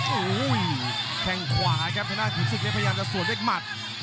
โอ้โหแข่งขวาครับทางหน้าคุณศึกเล็กพยายามจะสวนเล็กหมัด